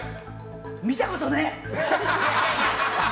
見たことねえ！